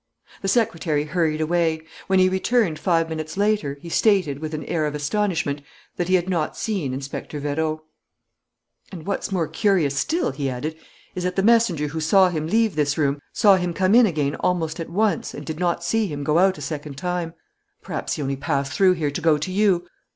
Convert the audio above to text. The secretary hurried away. When he returned, five minutes later, he stated, with an air of astonishment, that he had not seen Inspector Vérot. "And what's more curious still," he added, "is that the messenger who saw him leave this room saw him come in again almost at once and did not see him go out a second time." "Perhaps he only passed through here to go to you."